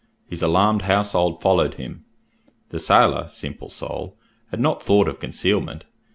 His alarmed household followed him. The sailor, simple soul! had not thought of concealment.